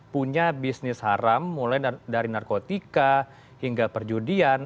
punya bisnis haram mulai dari narkotika hingga perjudian